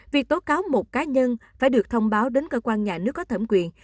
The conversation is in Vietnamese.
việc tố cáo một cá nhân phải được thông báo đến cơ quan nhà nước có thẩm quyền